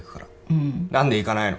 ううん。何で行かないの？